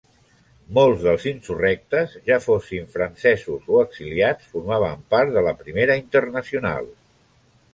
Molts dels insurrectes, ja fossin francesos o exiliats formaven part de la Primera Internacional.